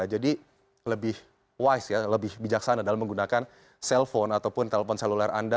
jadi lebih wise ya lebih bijaksana dalam menggunakan cell phone ataupun telepon seluler anda